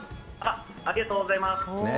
ありがとうございます。